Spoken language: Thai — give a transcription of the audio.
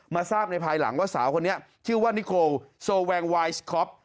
ทราบในภายหลังว่าสาวคนนี้ชื่อว่านิโคโซแวงวายสคอป